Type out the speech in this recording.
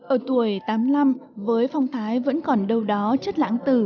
ở tuổi tám mươi năm với phong thái vẫn còn đâu đó chất lãng tử